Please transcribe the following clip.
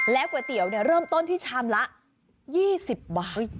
ก๋วยเตี๋ยวเริ่มต้นที่ชามละ๒๐บาท